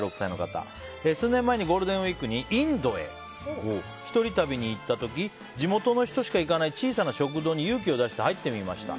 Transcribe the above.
数年前にゴールデンウィークにインドへ一人旅に行った時地元の人しか行かない小さな食堂に勇気を出して入ってみました。